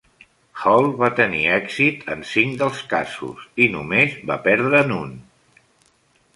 Hall va tenir èxit en cinc dels casos i només va perdre'n un.